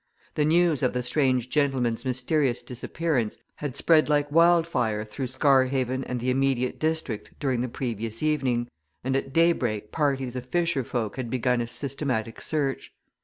The news of the strange gentleman's mysterious disappearance had spread like wild fire through Scarhaven and the immediate district during the previous evening, and at daybreak parties of fisher folk had begun a systematic search.